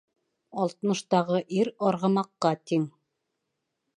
Алтмыштағы ир арғымаҡҡа тиң.